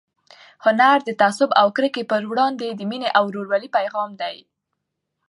هنر د تعصب او کرکې پر وړاندې د مینې او ورورولۍ پيغام دی.